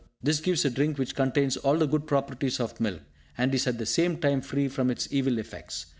This gives a drink which contains all the good properties of milk, and is at the same time free from its evil effects.